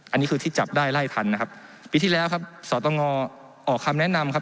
อันนี้คือที่จับได้ไล่ทันนะครับ